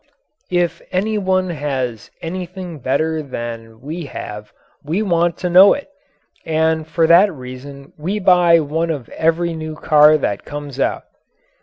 If any one has anything better than we have we want to know it, and for that reason we buy one of every new car that comes out.